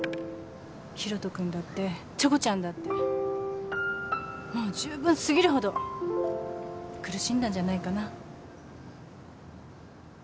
広斗君だってチョコちゃんだってもう十分過ぎるほど苦しんだんじゃないかな。